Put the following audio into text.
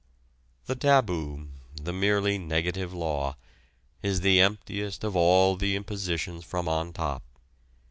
The taboo the merely negative law is the emptiest of all the impositions from on top.